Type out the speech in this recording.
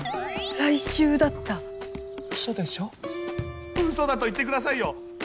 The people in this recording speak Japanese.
来週だったウソでしょウソだと言ってくださいよ！